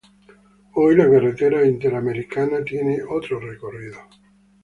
Hoy la Carretera Interamericana tiene otro recorrido.